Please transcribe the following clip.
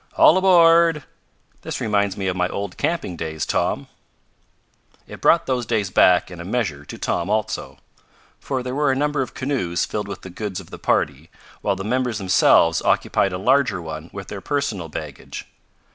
"All aboard! This reminds me of my old camping days, Tom." It brought those days back, in a measure, to Tom also. For there were a number of canoes filled with the goods of the party, while the members themselves occupied a larger one with their personal baggage.